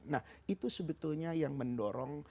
nah itu sebetulnya yang mendorong